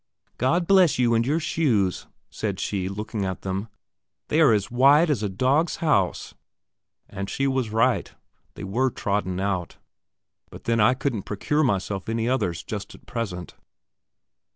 "God bless you and your shoes!" said she, looking at them; "they are as wide as a dog's house." And she was right; they were trodden out. But then I couldn't procure myself any others just at present.